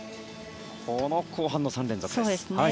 この後半の３連続ですね。